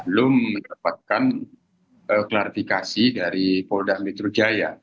belum mendapatkan klarifikasi dari polda metro jaya